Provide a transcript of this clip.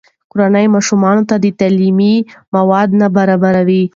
کورنۍ ماشومانو ته تعلیمي مواد نه برابروي.